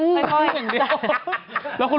เออค่อย